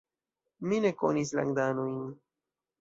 Mi ne konis landanojn.